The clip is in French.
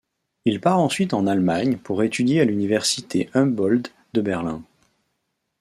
Il part ensuite en Allemagne pour étudier à l'université Humboldt de Berlin.